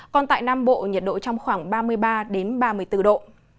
còn tại nam bộ nhiệt độ trong khoảng ba mươi ba ba mươi bốn độ